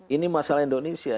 ini masalah indonesia